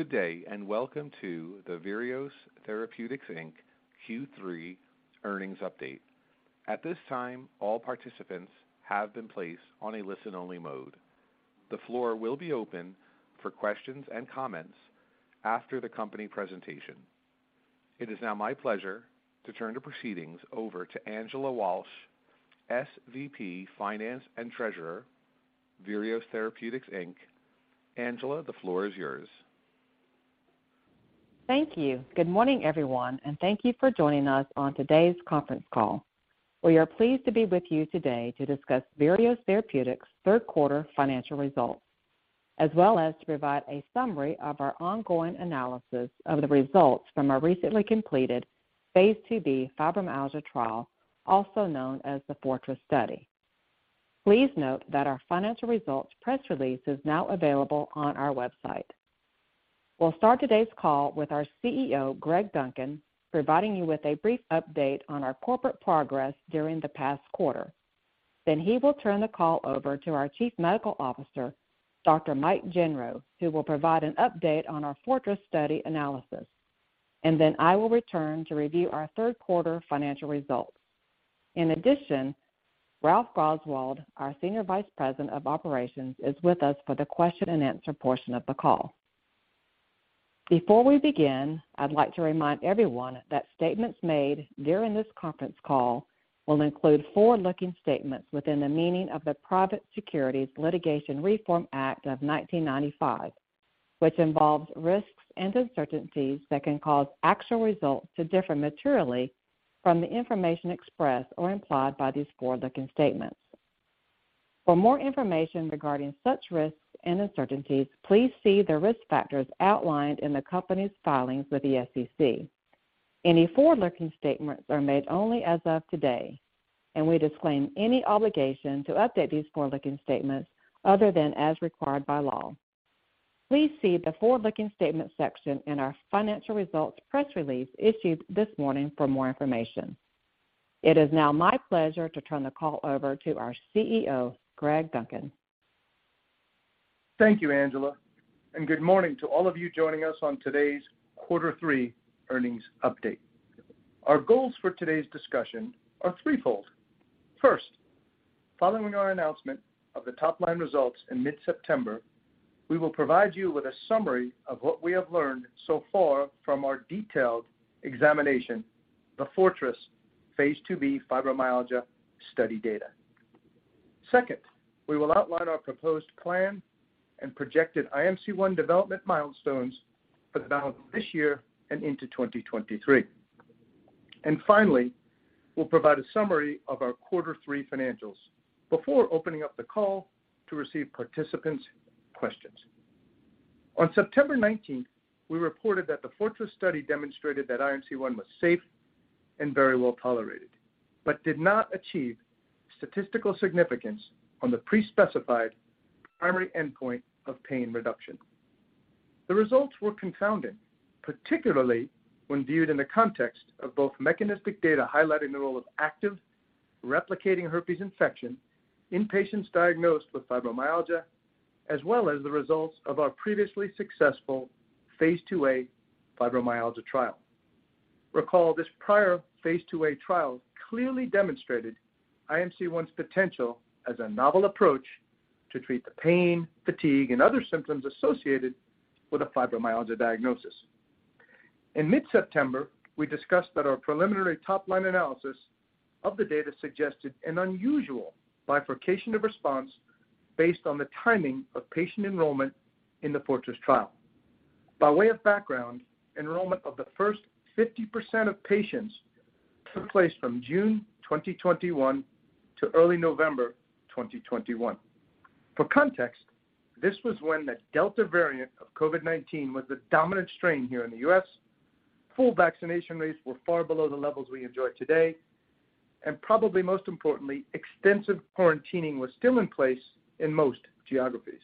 Good day, and welcome to the Virios Therapeutics Inc Q3 earnings update. At this time, all participants have been placed on a listen-only mode. The floor will be open for questions and comments after the company presentation. It is now my pleasure to turn the proceedings over to Angela Walsh, SVP, Finance and Treasurer, Virios Therapeutics Inc Angela, the floor is yours. Thank you. Good morning, everyone, and thank you for joining us on today's conference call. We are pleased to be with you today to discuss Virios Therapeutics' third quarter financial results, as well as to provide a summary of our ongoing analysis of the results from our recently completed phase IIB fibromyalgia trial, also known as the FORTRESS Study. Please note that our financial results press release is now available on our website. We'll start today's call with our CEO, Greg Duncan, providing you with a brief update on our corporate progress during the past quarter. He will turn the call over to our Chief Medical Officer, Dr. Mike Gendreau, who will provide an update on our FORTRESS study analysis. I will return to review our third quarter financial results. In addition, Ralph Grosswald, our Senior Vice President of Operations, is with us for the question and answer portion of the call. Before we begin, I'd like to remind everyone that statements made during this conference call will include forward-looking statements within the meaning of the Private Securities Litigation Reform Act of 1995, which involves risks and uncertainties that can cause actual results to differ materially from the information expressed or implied by these forward-looking statements. For more information regarding such risks and uncertainties, please see the risk factors outlined in the company's filings with the SEC. Any forward-looking statements are made only as of today, and we disclaim any obligation to update these forward-looking statements other than as required by law. Please see the forward-looking statement section in our financial results press release issued this morning for more information. It is now my pleasure to turn the call over to our CEO, Greg Duncan. Thank you, Angela, and good morning to all of you joining us on today's quarter three earnings update. Our goals for today's discussion are threefold. First, following our announcement of the top-line results in mid-September, we will provide you with a summary of what we have learned so far from our detailed examination, the FORTRESS phase IIB Fibromyalgia Study data. Second, we will outline our proposed plan and projected IMC-1 development milestones for the balance of this year and into 2023. And finally, we'll provide a summary of our quarter three financials before opening up the call to receive participants' questions. On September 19th, we reported that the FORTRESS study demonstrated that IMC-1 was safe and very well tolerated, but did not achieve statistical significance on the pre-specified primary endpoint of pain reduction. The results were confounding, particularly when viewed in the context of both mechanistic data highlighting the role of active replicating herpes infection in patients diagnosed with fibromyalgia, as well as the results of our previously successful phase IIA fibromyalgia trial. Recall, this prior phase IIA trial clearly demonstrated IMC-1's potential as a novel approach to treat the pain, fatigue, and other symptoms associated with a fibromyalgia diagnosis. In mid-September, we discussed that our preliminary top-line analysis of the data suggested an unusual bifurcation of response based on the timing of patient enrollment in the FORTRESS trial. By way of background, enrollment of the first 50% of patients took place from June 2021 to early November 2021. For context, this was when the Delta variant of COVID-19 was the dominant strain here in the U.S., full vaccination rates were far below the levels we enjoy today, and probably most importantly, extensive quarantining was still in place in most geographies.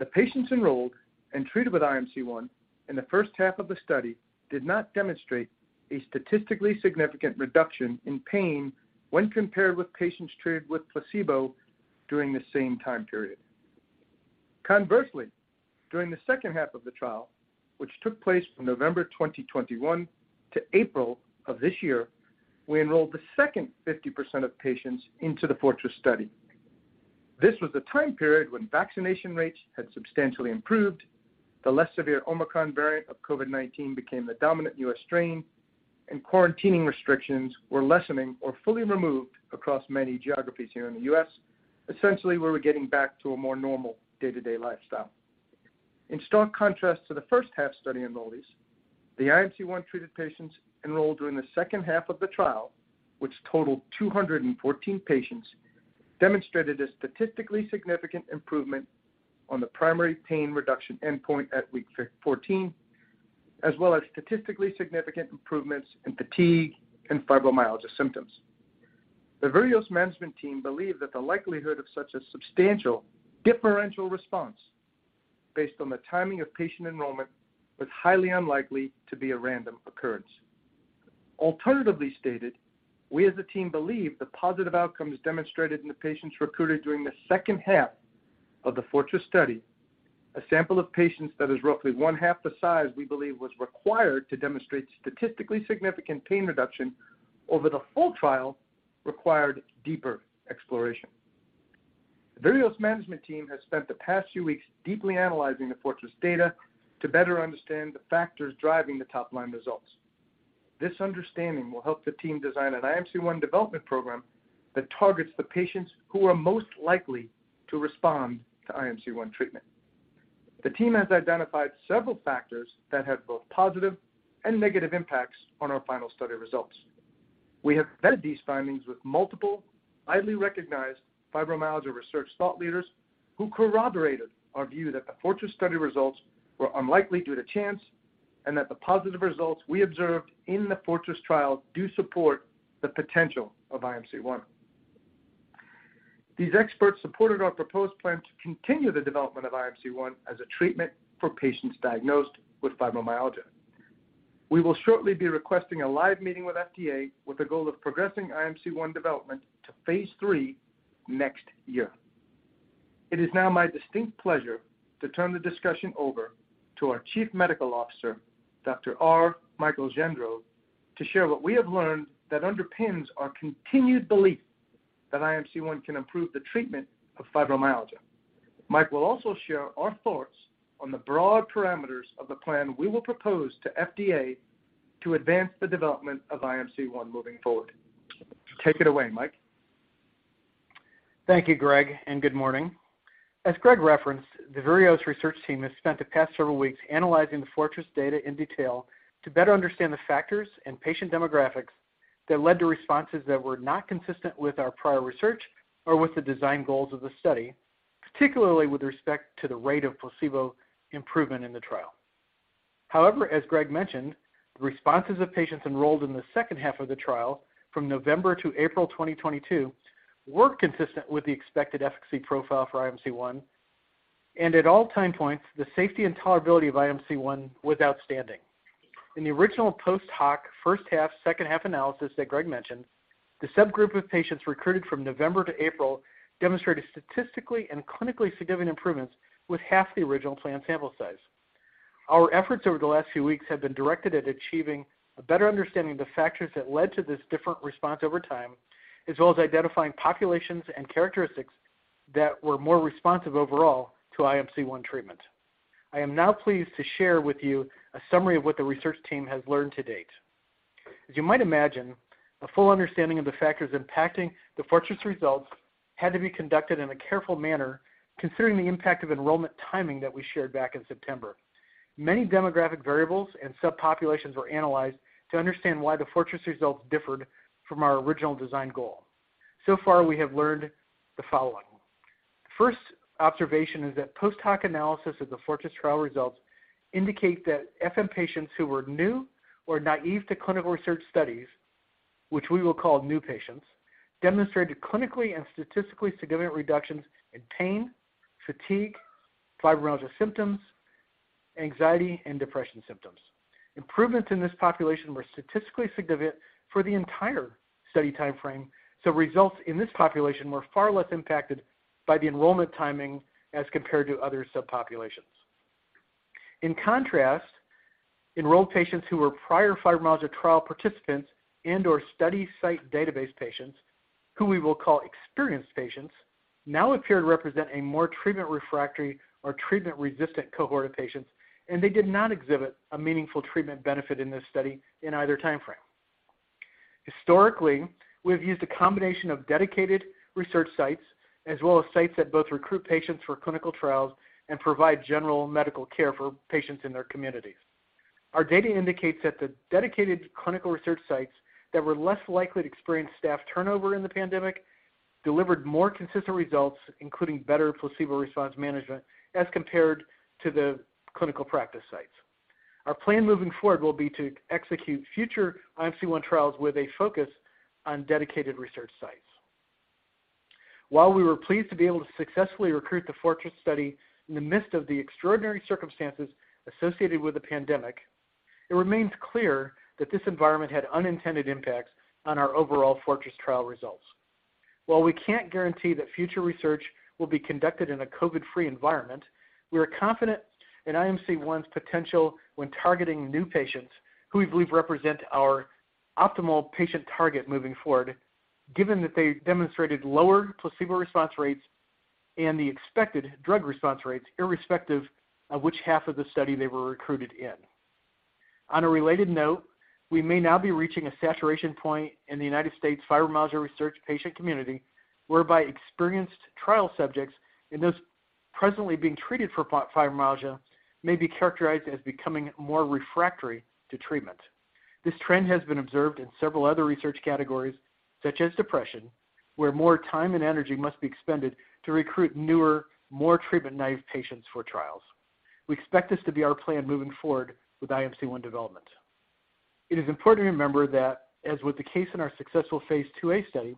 The patients enrolled and treated with IMC-1 in the first half of the study did not demonstrate a statistically significant reduction in pain when compared with patients treated with placebo during the same time period. Conversely, during the second half of the trial, which took place from November 2021 to April of this year, we enrolled the second 50% of patients into the FORTRESS study. This was the time period when vaccination rates had substantially improved, the less severe Omicron variant of COVID-19 became the dominant U.S. strain, and quarantining restrictions were lessening or fully removed across many geographies here in the U.S. Essentially, we were getting back to a more normal day-to-day lifestyle. In stark contrast to the first half study enrollees, the IMC-1-treated patients enrolled during the second half of the trial, which totaled 214 patients, demonstrated a statistically significant improvement on the primary pain reduction endpoint at week 14, as well as statistically significant improvements in fatigue and fibromyalgia symptoms. The Virios management team believed that the likelihood of such a substantial differential response based on the timing of patient enrollment was highly unlikely to be a random occurrence. Alternatively stated, we as a team believe the positive outcomes demonstrated in the patients recruited during the second half of the FORTRESS study, a sample of patients that is roughly 1.5. The size we believe was required to demonstrate statistically significant pain reduction over the full trial required deeper exploration. Virios' management team has spent the past few weeks deeply analyzing the FORTRESS data to better understand the factors driving the top-line results. This understanding will help the team design an IMC-1 development program that targets the patients who are most likely to respond to IMC-1 treatment. The team has identified several factors that have both positive and negative impacts on our final study results. We have vetted these findings with multiple highly recognized fibromyalgia research thought leaders who corroborated our view that the FORTRESS study results were unlikely due to chance, and that the positive results we observed in the FORTRESS trial do support the potential of IMC-1. These experts supported our proposed plan to continue the development of IMC-1 as a treatment for patients diagnosed with fibromyalgia. We will shortly be requesting a live meeting with FDA with the goal of progressing IMC-1 development to phase III next year. It is now my distinct pleasure to turn the discussion over to our Chief Medical Officer, Dr. R. Michael Gendreau, to share what we have learned that underpins our continued belief that IMC-1 can improve the treatment of fibromyalgia. Mike will also share our thoughts on the broad parameters of the plan we will propose to FDA to advance the development of IMC-1 moving forward. Take it away, Mike. Thank you, Greg, and good morning. As Greg referenced, the Virios research team has spent the past several weeks analyzing the FORTRESS data in detail to better understand the factors and patient demographics that led to responses that were not consistent with our prior research or with the design goals of the study, particularly with respect to the rate of placebo improvement in the trial. However, as Greg mentioned, responses of patients enrolled in the second half of the trial from November to April 2022 were consistent with the expected efficacy profile for IMC-1, and at all time points, the safety and tolerability of IMC-1 was outstanding. In the original post hoc first half, second half analysis that Greg mentioned, the subgroup of patients recruited from November to April demonstrated statistically and clinically significant improvements with half the original plan sample size. Our efforts over the last few weeks have been directed at achieving a better understanding of the factors that led to this different response over time, as well as identifying populations and characteristics that were more responsive overall to IMC-1 treatment. I am now pleased to share with you a summary of what the research team has learned to date. As you might imagine, a full understanding of the factors impacting the FORTRESS results had to be conducted in a careful manner, considering the impact of enrollment timing that we shared back in September. Many demographic variables and subpopulations were analyzed to understand why the FORTRESS results differed from our original design goal. So far, we have learned the following. First observation is that post hoc analysis of the FORTRESS trial results indicate that FM patients who were new or naive to clinical research studies, which we will call new patients, demonstrated clinically and statistically significant reductions in pain, fatigue, fibromyalgia symptoms, anxiety, and depression symptoms. Improvements in this population were statistically significant for the entire study time frame, so results in this population were far less impacted by the enrollment timing as compared to other subpopulations. In contrast, enrolled patients who were prior fibromyalgia trial participants and/or study site database patients, who we will call experienced patients, now appeared to represent a more treatment refractory or treatment-resistant cohort of patients, and they did not exhibit a meaningful treatment benefit in this study in either time frame. Historically, we've used a combination of dedicated research sites as well as sites that both recruit patients for clinical trials and provide general medical care for patients in their communities. Our data indicates that the dedicated clinical research sites that were less likely to experience staff turnover in the pandemic delivered more consistent results, including better placebo response management as compared to the clinical practice sites. Our plan moving forward will be to execute future IMC-1 trials with a focus on dedicated research sites. While we were pleased to be able to successfully recruit the FORTRESS study in the midst of the extraordinary circumstances associated with the pandemic, it remains clear that this environment had unintended impacts on our overall FORTRESS trial results. While we can't guarantee that future research will be conducted in a COVID-free environment, we are confident in IMC-1's potential when targeting new patients who we believe represent our optimal patient target moving forward, given that they demonstrated lower placebo response rates and the expected drug response rates irrespective of which half of the study they were recruited in. On a related note, we may now be reaching a saturation point in the United States fibromyalgia research patient community, whereby experienced trial subjects and those presently being treated for fibromyalgia may be characterized as becoming more refractory to treatment. This trend has been observed in several other research categories, such as depression, where more time and energy must be expended to recruit newer, more treatment-naive patients for trials. We expect this to be our plan moving forward with IMC-1 development. It is important to remember that as with the case in our successful phase IIA study.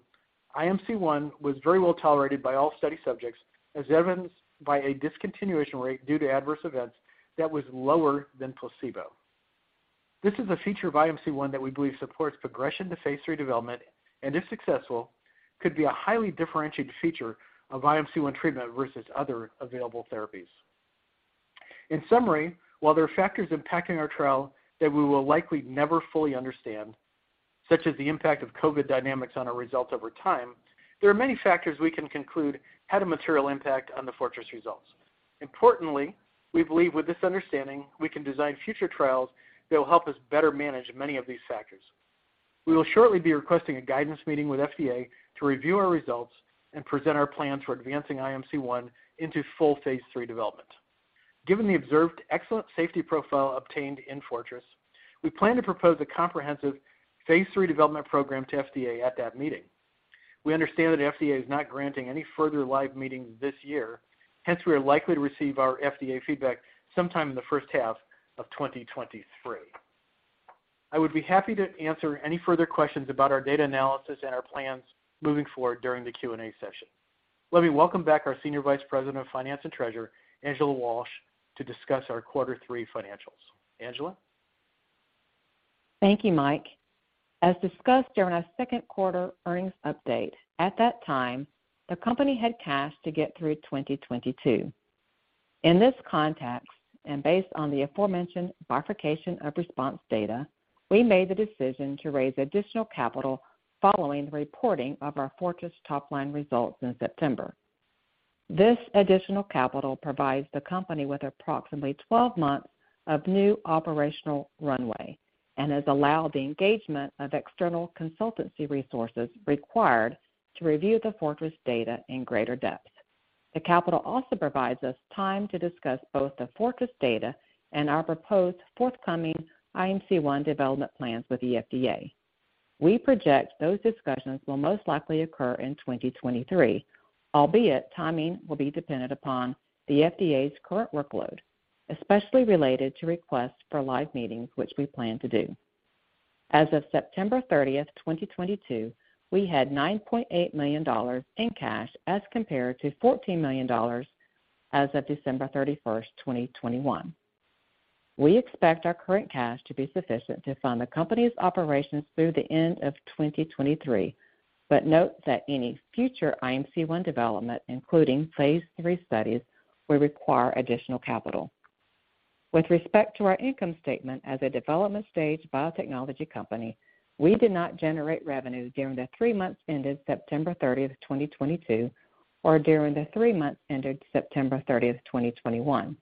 IMC-1 was very well tolerated by all study subjects, as evidenced by a discontinuation rate due to adverse events that was lower than placebo. This is a feature of IMC-1 that we believe supports progression to phase III development, and if successful, could be a highly differentiated feature of IMC-1 treatment versus other available therapies. In summary, while there are factors impacting our trial that we will likely never fully understand, such as the impact of COVID dynamics on our results over time, there are many factors we can conclude had a material impact on the FORTRESS results. Importantly, we believe with this understanding, we can design future trials that will help us better manage many of these factors. We will shortly be requesting a guidance meeting with FDA to review our results and present our plans for advancing IMC-1 into full phase III development. Given the observed excellent safety profile obtained in FORTRESS, we plan to propose a comprehensive phase III development program to FDA at that meeting. We understand that FDA is not granting any further live meetings this year. Hence, we are likely to receive our FDA feedback sometime in the first half of 2023. I would be happy to answer any further questions about our data analysis and our plans moving forward during the Q&A session. Let me welcome back our Senior Vice President of Finance and Treasurer, Angela Walsh, to discuss our quarter three financials. Angela. Thank you, Mike. As discussed during our second quarter earnings update, at that time, the company had cash to get through 2022. In this context, and based on the aforementioned bifurcation of response data, we made the decision to raise additional capital following the reporting of our FORTRESS top-line results in September. This additional capital provides the company with approximately 12 months of new operational runway and has allowed the engagement of external consultancy resources required to review the FORTRESS data in greater depth. The capital also provides us time to discuss both the FORTRESS data and our proposed forthcoming IMC-1 development plans with the FDA. We project those discussions will most likely occur in 2023, albeit timing will be dependent upon the FDA's current workload, especially related to requests for live meetings, which we plan to do. As of September 30th, 2022, we had $9.8 million in cash as compared to $14 million as of December 31st, 2021. We expect our current cash to be sufficient to fund the company's operations through the end of 2023, but note that any future IMC-1 development, including phase III studies, will require additional capital. With respect to our income statement as a development stage biotechnology company, we did not generate revenue during the 3 months ended September 30th, 2022, or during the 3 months ended September 30th, 2021.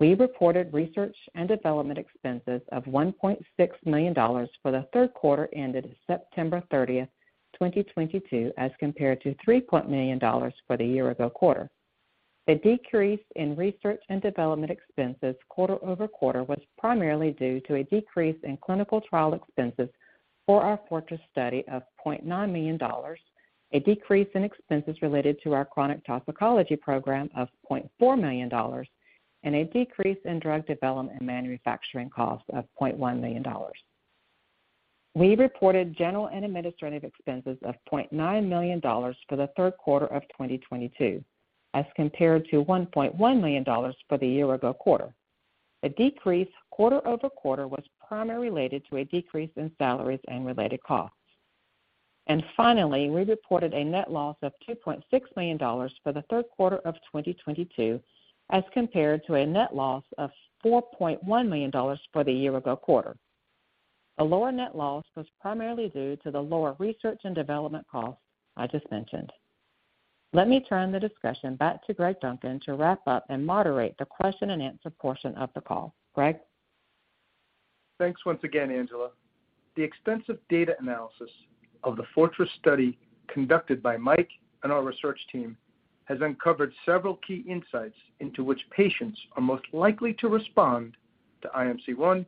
We reported research and development expenses of $1.6 million for the third quarter ended September 30th, 2022, as compared to $3.1 million for the year-ago quarter. The decrease in research and development expenses quarter-over-quarter was primarily due to a decrease in clinical trial expenses for our FORTRESS study of $0.9 million, a decrease in expenses related to our chronic toxicology program of $0.4 million, and a decrease in drug development and manufacturing costs of $0.1 million. We reported general and administrative expenses of $0.9 million for the third quarter of 2022 as compared to $1.1 million for the year ago quarter. The decrease quarter-over-quarter was primarily related to a decrease in salaries and related costs. Finally, we reported a net loss of $2.6 million for the third quarter of 2022 as compared to a net loss of $4.1 million for the year ago quarter. A lower net loss was primarily due to the lower research and development costs I just mentioned. Let me turn the discussion back to Greg Duncan to wrap up and moderate the question and answer portion of the call. Greg? Thanks once again, Angela. The extensive data analysis of the FORTRESS study conducted by Mike and our research team has uncovered several key insights into which patients are most likely to respond to IMC-1,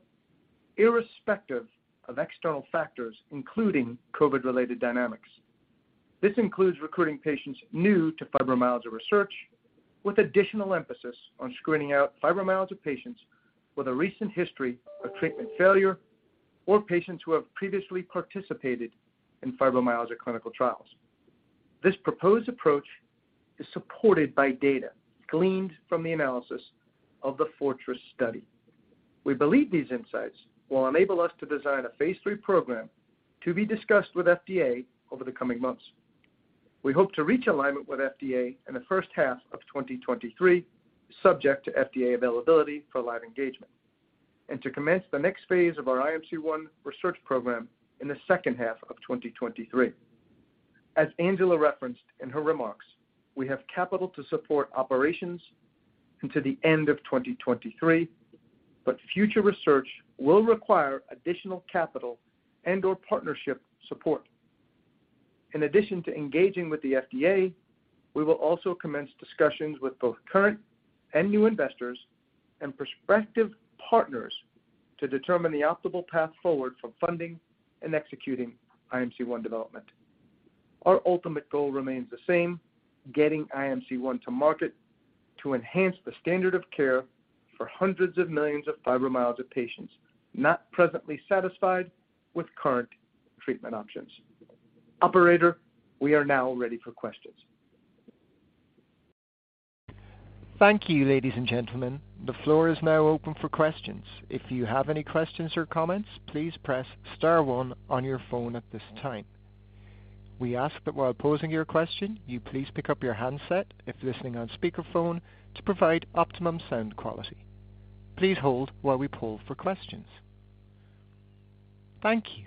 irrespective of external factors, including COVID-related dynamics. This includes recruiting patients new to fibromyalgia research with additional emphasis on screening out fibromyalgia patients with a recent history of treatment failure or patients who have previously participated in fibromyalgia clinical trials. This proposed approach is supported by data gleaned from the analysis of the FORTRESS study. We believe these insights will enable us to design a phase III program to be discussed with FDA over the coming months. We hope to reach alignment with FDA in the first half of 2023, subject to FDA availability for live engagement, and to commence the next phase of our IMC-1 research program in the second half of 2023. As Angela referenced in her remarks, we have capital to support operations into the end of 2023, but future research will require additional capital and/or partnership support. In addition to engaging with the FDA, we will also commence discussions with both current and new investors and prospective partners to determine the optimal path forward for funding and executing IMC-1 development. Our ultimate goal remains the same, getting IMC-1 to market. To enhance the standard of care for hundreds of millions of fibromyalgia patients not presently satisfied with current treatment options. Operator, we are now ready for questions. Thank you, ladies and gentlemen. The floor is now open for questions. If you have any questions or comments, please press star one on your phone at this time. We ask that while posing your question, you please pick up your handset if listening on speakerphone to provide optimum sound quality. Please hold while we poll for questions. Thank you.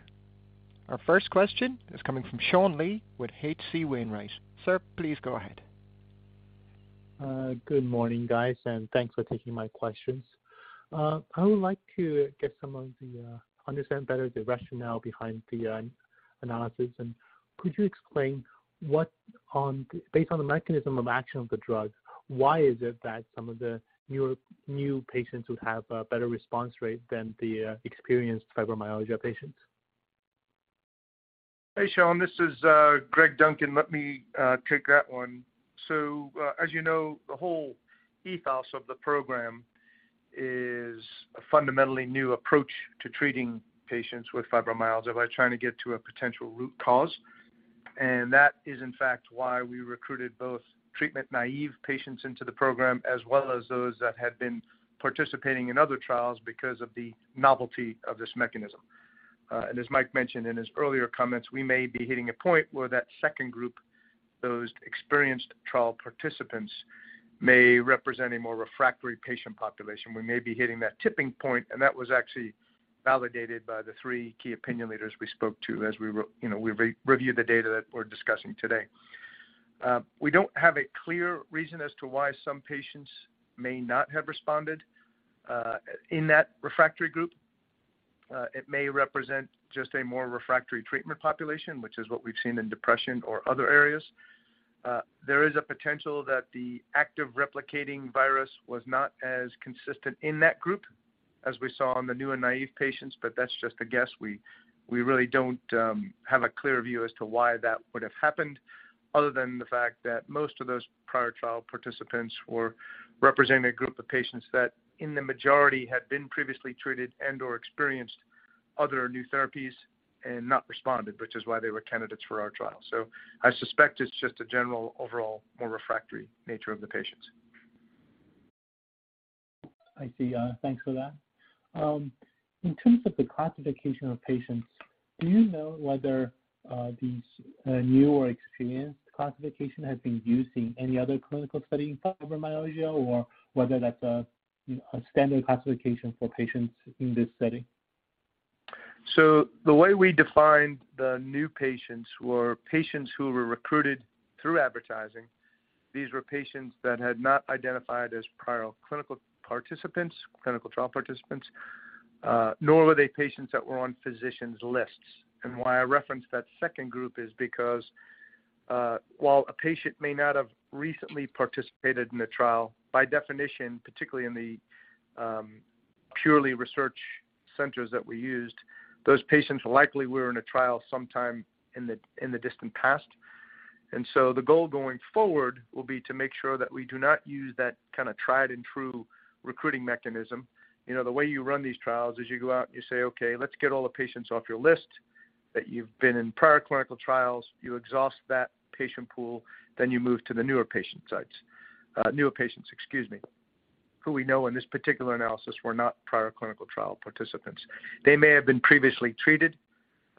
Our first question is coming from Sean Lee with H.C. Wainwright. Sir, please go ahead. Good morning, guys, and thanks for taking my questions. I would like to understand better the rationale behind the analysis. Could you explain, based on the mechanism of action of the drug, why is it that some of the newer patients would have a better response rate than the experienced fibromyalgia patients? Hey, Sean, this is Greg Duncan. Let me take that one. As you know, the whole ethos of the program is a fundamentally new approach to treating patients with fibromyalgia by trying to get to a potential root cause. That is, in fact, why we recruited both treatment-naive patients into the program as well as those that had been participating in other trials because of the novelty of this mechanism. As Mike mentioned in his earlier comments, we may be hitting a point where that second group, those experienced trial participants, may represent a more refractory patient population. We may be hitting that tipping point, and that was actually validated by the three key opinion leaders we spoke to as you know, we re-reviewed the data that we're discussing today. We don't have a clear reason as to why some patients may not have responded in that refractory group. It may represent just a more refractory treatment population, which is what we've seen in depression or other areas. There is a potential that the active replicating virus was not as consistent in that group as we saw on the new and naive patients, but that's just a guess. We really don't have a clear view as to why that would have happened other than the fact that most of those prior trial participants were representing a group of patients that, in the majority, had been previously treated and/or experienced other new therapies and not responded, which is why they were candidates for our trial. I suspect it's just a general overall more refractory nature of the patients. I see. Thanks for that. In terms of the classification of patients, do you know whether these new or experienced classification has been used in any other clinical study in fibromyalgia or whether that's a standard classification for patients in this setting? The way we defined the new patients were patients who were recruited through advertising. These were patients that had not identified as prior clinical participants, clinical trial participants, nor were they patients that were on physicians' lists. Why I referenced that second group is because, while a patient may not have recently participated in a trial, by definition, particularly in the purely research centers that we used, those patients likely were in a trial sometime in the distant past. The goal going forward will be to make sure that we do not use that kinda tried and true recruiting mechanism. You know, the way you run these trials is you go out and you say, "Okay, let's get all the patients off your list that you've been in prior clinical trials." You exhaust that patient pool, then you move to the newer patients, excuse me, who we know in this particular analysis were not prior clinical trial participants. They may have been previously treated,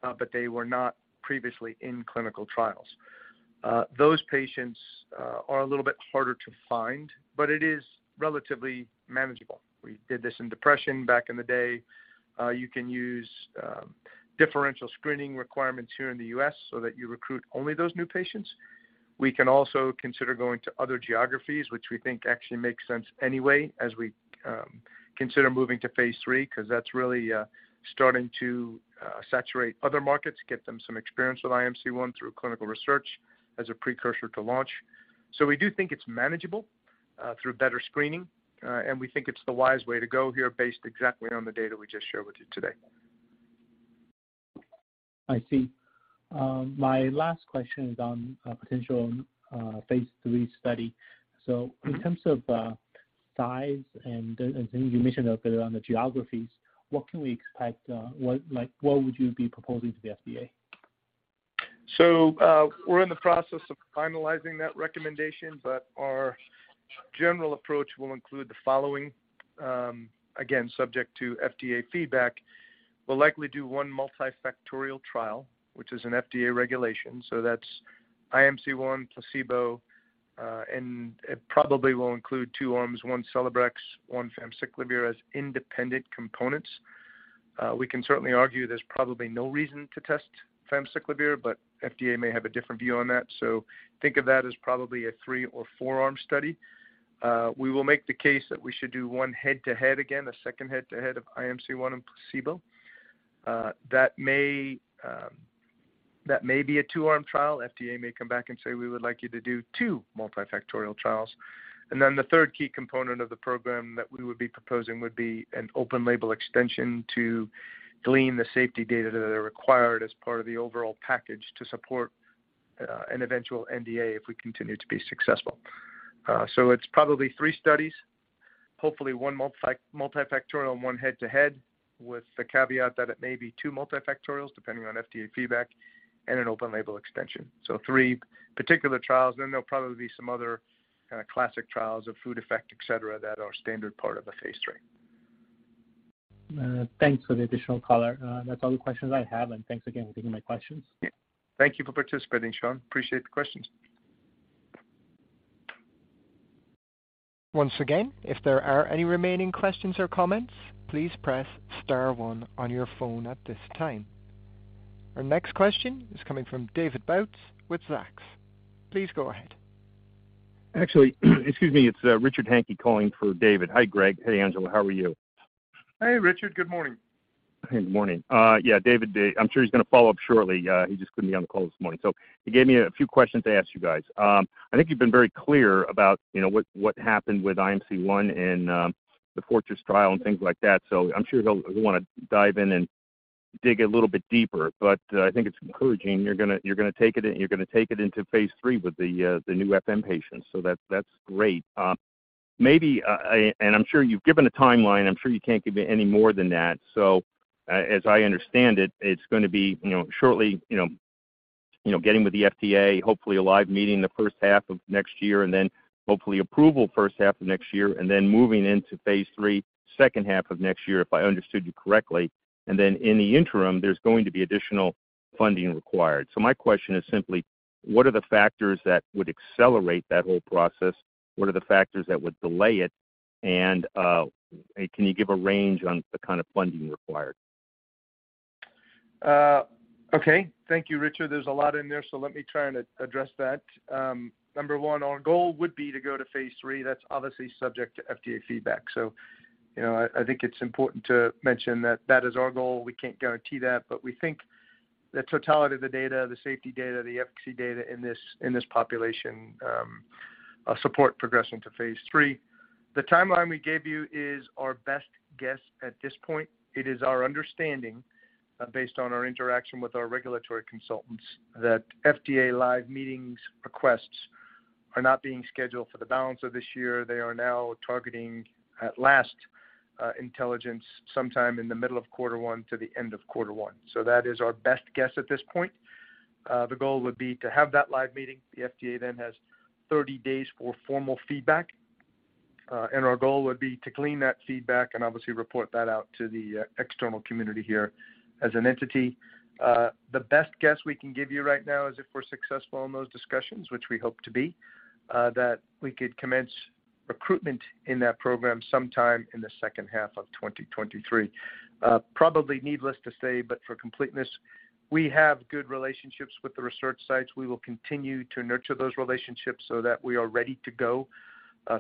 but they were not previously in clinical trials. Those patients are a little bit harder to find, but it is relatively manageable. We did this in depression back in the day. You can use differential screening requirements here in the U.S. so that you recruit only those new patients. We can also consider going to other geographies, which we think actually makes sense anyway as we consider moving to phase III, 'cause that's really starting to saturate other markets, get them some experience with IMC-1 through clinical research as a precursor to launch. We do think it's manageable through better screening, and we think it's the wise way to go here based exactly on the data we just shared with you today. I see. My last question is on a potential phase III study. In terms of size and things you mentioned a bit on the geographies, what can we expect, like, what would you be proposing to the FDA? We're in the process of finalizing that recommendation, but our general approach will include the following, again, subject to FDA feedback. We'll likely do one multifactorial trial, which is an FDA regulation, so that's IMC-1, placebo, and it probably will include two arms, one Celebrex, one famciclovir as independent components. We can certainly argue there's probably no reason to test famciclovir, but FDA may have a different view on that. Think of that as probably a three or four-arm study. We will make the case that we should do one head-to-head, again, a second head-to-head of IMC-1 and placebo. That may be a two-arm trial. FDA may come back and say, "We would like you to do two multifactorial trials." Then the third key component of the program that we would be proposing would be an open label extension to glean the safety data that are required as part of the overall package to support an eventual NDA if we continue to be successful. It's probably three studies. Hopefully one multifactorial and one head-to-head with the caveat that it may be two multifactorials depending on FDA feedback and an open label extension. Three particular trials, then there'll probably be some other kinda classic trials of food effect, et cetera, that are standard part of a phase III. Thanks for the additional color. That's all the questions I have, and thanks again for taking my questions. Thank you for participating, Sean. Appreciate the questions. Once again, if there are any remaining questions or comments, please press star one on your phone at this time. Our next question is coming from David Bautz with Zacks. Please go ahead. Actually, excuse me, it's Richard Hantke calling for David. Hi, Greg. Hey, Angela. How are you? Hey, Richard. Good morning. Hey. Good morning. Yeah, David, I'm sure he's gonna follow up shortly. He just couldn't be on the call this morning. He gave me a few questions to ask you guys. I think you've been very clear about, you know, what happened with IMC-1 and the FORTRESS trial and things like that, so I'm sure he'll wanna dive in and dig a little bit deeper. I think it's encouraging you're gonna take it into phase III with the new FM patients, so that's great. Maybe. I'm sure you've given a timeline. I'm sure you can't give me any more than that. As I understand it's gonna be, you know, shortly, you know, getting with the FDA, hopefully a live meeting the first half of next year and then hopefully approval first half of next year and then moving into phase III, second half of next year, if I understood you correctly. In the interim, there's going to be additional funding required. My question is simply, what are the factors that would accelerate that whole process? What are the factors that would delay it? And can you give a range on the kind of funding required. Okay. Thank you, Richard. There's a lot in there, so let me try and address that. Number one, our goal would be to go to phase III. That's obviously subject to FDA feedback. You know, I think it's important to mention that that is our goal. We can't guarantee that, but we think the totality of the data, the safety data, the efficacy data in this population, support progression to phase III. The timeline we gave you is our best guess at this point. It is our understanding, based on our interaction with our regulatory consultants, that FDA live meetings requests are not being scheduled for the balance of this year. They are now targeting, at latest intelligence, sometime in the middle of quarter one to the end of quarter one. That is our best guess at this point. The goal would be to have that live meeting. The FDA then has 30 days for formal feedback. Our goal would be to glean that feedback and obviously report that out to the external community here as an entity. The best guess we can give you right now is if we're successful in those discussions, which we hope to be, that we could commence recruitment in that program sometime in the second half of 2023. Probably needless to say, but for completeness, we have good relationships with the research sites. We will continue to nurture those relationships so that we are ready to go,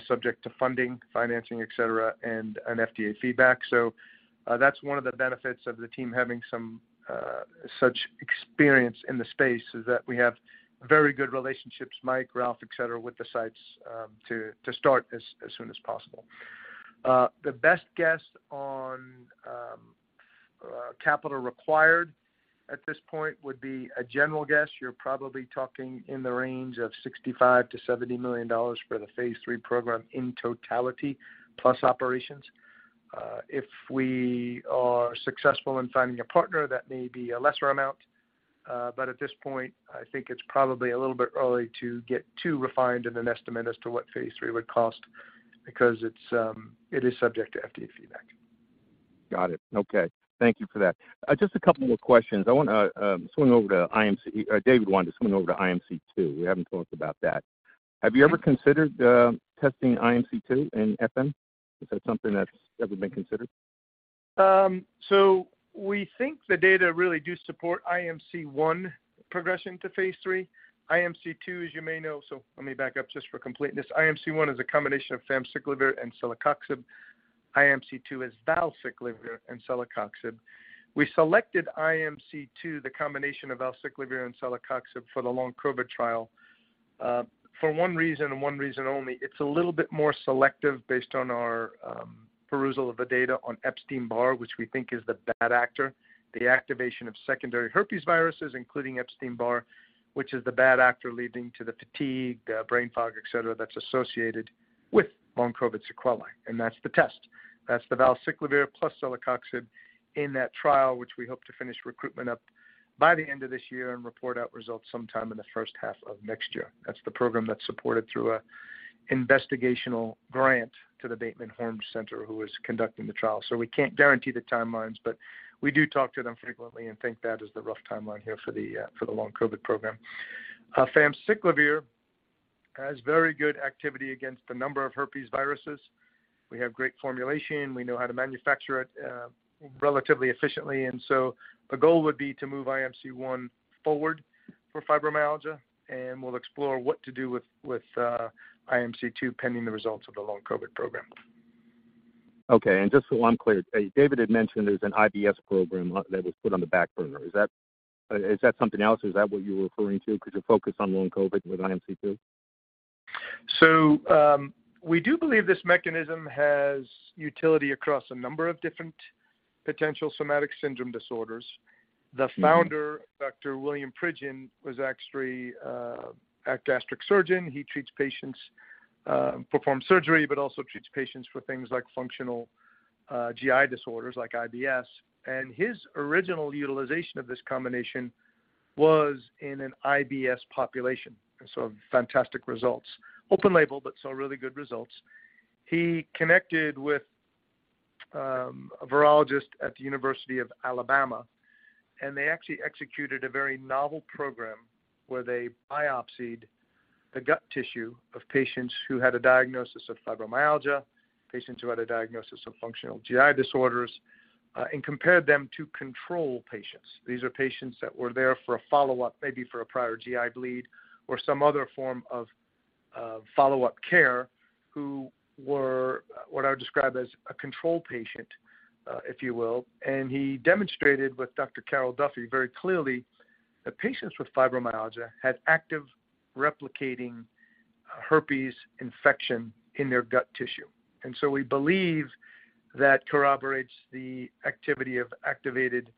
subject to funding, financing, et cetera, and an FDA feedback. That's one of the benefits of the team having some such experience in the space is that we have very good relationships, Mike, Ralph, etc., with the sites to start as soon as possible. The best guess on capital required at this point would be a general guess. You're probably talking in the range of $65 million-$70 million for the phase III program in totality plus operations. If we are successful in finding a partner, that may be a lesser amount. At this point, I think it's probably a little bit early to get too refined in an estimate as to what phase III would cost because it is subject to FDA feedback. Got it. Okay. Thank you for that. Just a couple more questions. I wanna swing over to IMC. David Bautz wanted to swing over to IMC-2. We haven't talked about that. Have you ever considered testing IMC-2 in FM? Is that something that's ever been considered? We think the data really do support IMC-1 progression to phase III. IMC-2, as you may know. Let me back up just for completeness. IMC-1 is a combination of famciclovir and celecoxib. IMC-2 is valacyclovir and celecoxib. We selected IMC-2, the combination of valacyclovir and celecoxib for the Long-COVID trial, for one reason and one reason only. It's a little bit more selective based on our perusal of the data on Epstein-Barr, which we think is the bad actor. The activation of secondary herpes viruses, including Epstein-Barr, which is the bad actor leading to the fatigue, brain fog, etc., that's associated with Long-COVID sequelae. That's the test. That's the valacyclovir plus celecoxib in that trial, which we hope to finish recruitment up by the end of this year and report out results sometime in the first half of next year. That's the program that's supported through an investigational grant to the Bateman Horne Center, who is conducting the trial. We can't guarantee the timelines, but we do talk to them frequently and think that is the rough timeline here for the Long-COVID program. Famciclovir has very good activity against a number of herpes viruses. We have great formulation. We know how to manufacture it relatively efficiently. The goal would be to move IMC-1 forward for fibromyalgia, and we'll explore what to do with IMC-2, pending the results of the Long-COVID program. Okay. Just so I'm clear, David had mentioned there's an IBS program that was put on the back burner. Is that, is that something else? Is that what you're referring to 'cause you're focused on Long-COVID with IMC-2? We do believe this mechanism has utility across a number of different potential somatic syndrome disorders. The founder, Dr. William Pridgen, was actually a gastric surgeon. He treats patients, performs surgery, but also treats patients for things like functional GI disorders like IBS. His original utilization of this combination was in an IBS population. Fantastic results. Open label, but saw really good results. He connected with a virologist at the University of Alabama, and they actually executed a very novel program where they biopsied the gut tissue of patients who had a diagnosis of fibromyalgia, patients who had a diagnosis of functional GI disorders, and compared them to control patients. These are patients that were there for a follow-up, maybe for a prior GI bleed or some other form of follow-up care, who were what I would describe as a control patient, if you will. He demonstrated with Dr. Carol Duffy very clearly that patients with fibromyalgia had active replicating herpes infection in their gut tissue. We believe that corroborates the activity of activated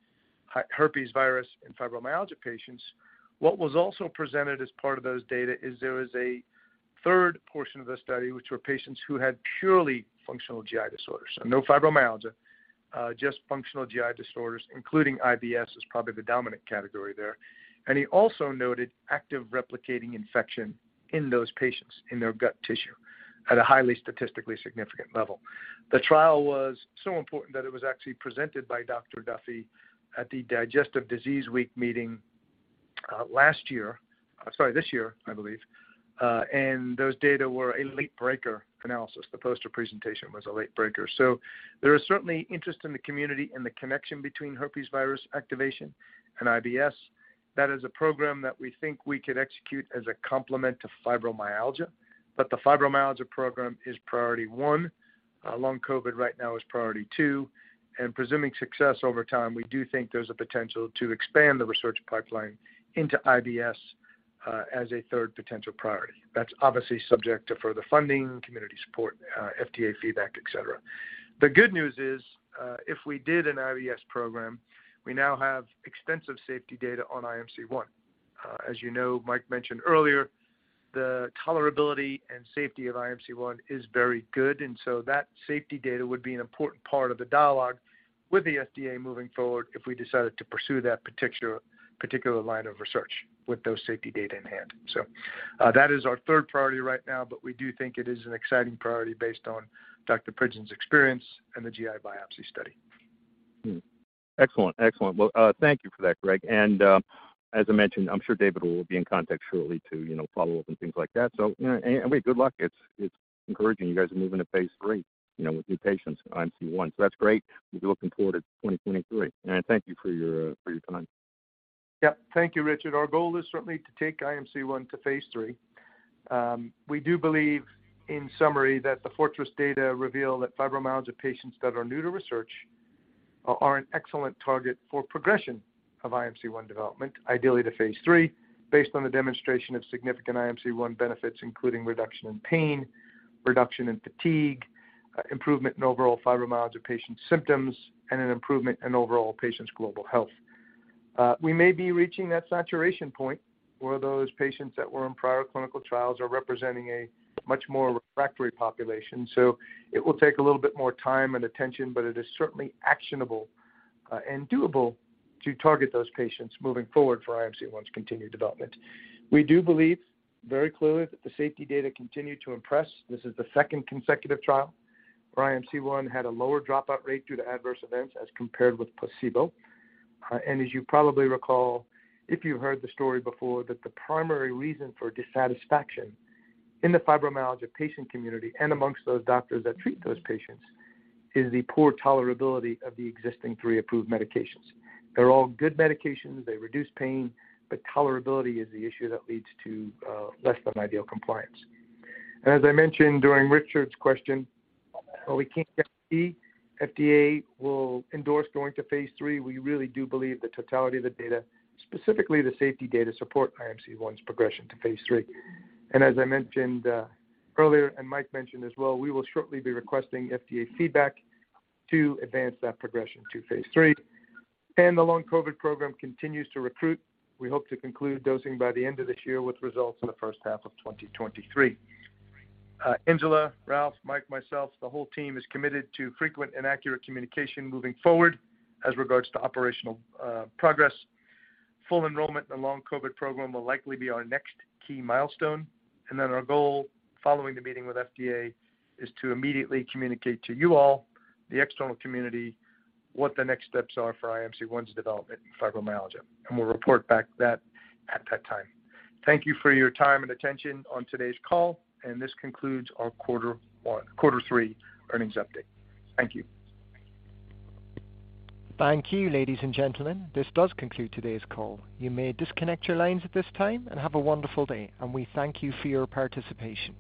herpes virus in fibromyalgia patients. What was also presented as part of those data is there was a third portion of the study, which were patients who had purely functional GI disorders and no fibromyalgia, just functional GI disorders, including IBS, is probably the dominant category there. He also noted active replicating infection in those patients in their gut tissue at a highly statistically significant level. The trial was so important that it was actually presented by Dr. Duffy at the Digestive Disease Week meeting, last year. Sorry, this year, I believe. Those data were a late breaker analysis. The poster presentation was a late breaker. There is certainly interest in the community in the connection between herpes virus activation and IBS. That is a program that we think we could execute as a complement to fibromyalgia. The fibromyalgia program is priority one. Long-COVID right now is priority two. Presuming success over time, we do think there's a potential to expand the research pipeline into IBS, as a third potential priority. That's obviously subject to further funding, community support, FDA feedback, et cetera. The good news is, if we did an IBS program, we now have extensive safety data on IMC-1. As you know, Mike mentioned earlier, the tolerability and safety of IMC-1 is very good, and so that safety data would be an important part of the dialogue with the FDA moving forward if we decided to pursue that particular line of research with those safety data in hand. That is our third priority right now, but we do think it is an exciting priority based on Dr. Pridgen's experience and the GI biopsy study. Excellent. Well, thank you for that, Greg. As I mentioned, I'm sure David will be in contact shortly to follow up and things like that. Good luck. It's encouraging you guys are moving to phase III, you know, with new patients, IMC-1. That's great. We'll be looking forward to 2023. Thank you for your time. Yeah. Thank you, Richard. Our goal is certainly to take IMC-1 to phase III. We do believe in summary that the FORTRESS data reveal that fibromyalgia patients that are new to research are an excellent target for progression of IMC-1 development, ideally to phase III, based on the demonstration of significant IMC-1 benefits, including reduction in pain, reduction in fatigue, improvement in overall fibromyalgia patient symptoms, and an improvement in overall patients' global health. We may be reaching that saturation point where those patients that were in prior clinical trials are representing a much more refractory population. It will take a little bit more time and attention, but it is certainly actionable, and doable to target those patients moving forward for IMC-1's continued development. We do believe very clearly that the safety data continue to impress. This is the second consecutive trial where IMC-1 had a lower dropout rate due to adverse events as compared with placebo. As you probably recall, if you heard the story before, that the primary reason for dissatisfaction in the fibromyalgia patient community and amongst those doctors that treat those patients is the poor tolerability of the existing 3 approved medications. They're all good medications. They reduce pain, but tolerability is the issue that leads to less than ideal compliance. As I mentioned during Richard's question, while we can't yet see FDA will endorse going to phase III, we really do believe the totality of the data, specifically the safety data, support IMC-1's progression to phase III. As I mentioned earlier and Mike mentioned as well, we will shortly be requesting FDA feedback to advance that progression to phase III. The Long-COVID program continues to recruit. We hope to conclude dosing by the end of this year with results in the first half of 2023. Angela, Ralph, Mike, myself, the whole team is committed to frequent and accurate communication moving forward as regards to operational progress. Full enrollment in the Long-COVID program will likely be our next key milestone. Then our goal following the meeting with FDA is to immediately communicate to you all, the external community, what the next steps are for IMC One's development in fibromyalgia, and we'll report back that at that time. Thank you for your time and attention on today's call, and this concludes our quarter three earnings update. Thank you. Thank you, ladies and gentlemen. This does conclude today's call. You may disconnect your lines at this time and have a wonderful day, and we thank you for your participation.